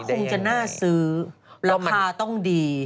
มันค้าคงจะน่าสือราคาต้องดี